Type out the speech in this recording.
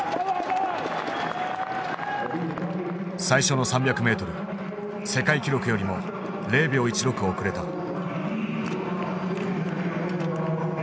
最初の３００ｍ世界記録よりも０秒１６遅れた。